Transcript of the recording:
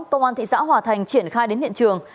công an thị xã hòa thành triển khai đến hiện trường